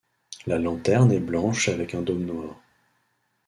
La lanterne est blanche avec un dôme noir.